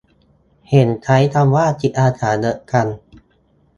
เห็นใช้คำว่า "จิตอาสา" เยอะจัง